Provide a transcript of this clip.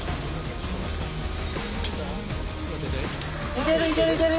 いけるいけるいける！